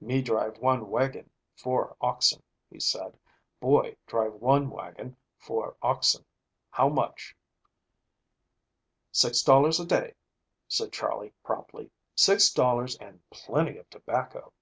"Me drive one wagon, four oxen," he said. "Boy drive one wagon, four oxen. How much?" "Six dollars a day," said Charley promptly. "Six dollars and plenty of tobacco."